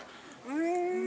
うん。